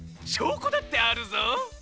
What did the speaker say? しょうこだってあるぞ。